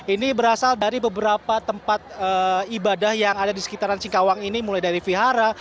ini berasal dari beberapa tempat ibadah yang ada di sekitaran singkawang ini mulai dari vihara